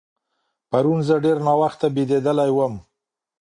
پرون زه ډېر ناوخته بېدېدلی وم.